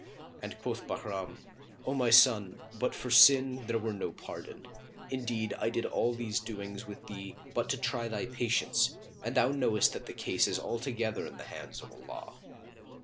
and quoth Bahram, "O my son, but for sin, there were no pardon. Indeed, I did all these doings with thee, but to try thy patience, and thou knowest that the case is altogether in the hands of Allah."